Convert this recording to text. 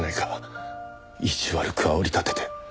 意地悪くあおり立てて。